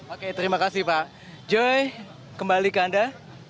oke terima kasih pak joy kembali ke anda